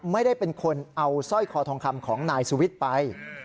ไม่ได้เป็นคนเอาสร้อยคอทองคำของนายสุวิทย์ไป